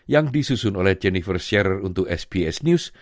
yang disusun oleh jennifer scherer untuk sbs news